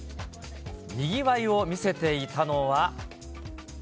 にぎわいを見せていたのは。